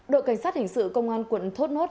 đội cảnh sát hình sự công an quận thốt nốt